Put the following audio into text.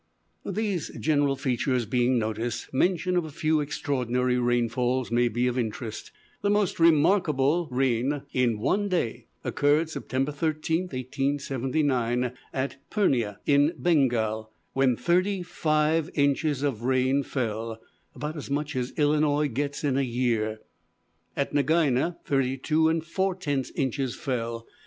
These general features being noticed, mention of a few extraordinary rainfalls may be of interest. The most remarkable rain in one day occurred September 13, 1879, at Purneah, in Bengal, when thirty five inches fell; about as much as Illinois gets in a year. At Nagina, thirty two and four tenth inches fell.